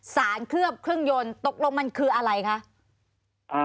เคลือบเครื่องยนต์ตกลงมันคืออะไรคะ